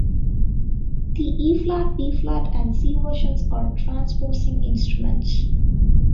The E-flat, B flat and C versions are transposing instruments.